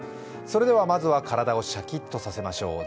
まずは体をシャキッとさせましょう。